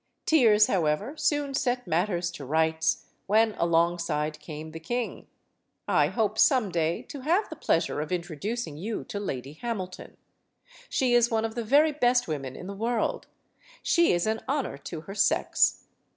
Tears, however, soon set matters to rights; when alongside came the king. ... I hope, some day, to have the pleasure of introducing you to Lady Hamilton. She is one of the very best women in the world; she i& an honor to her sex.